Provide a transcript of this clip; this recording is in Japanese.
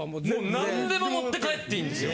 何でも持って帰っていいんですよ。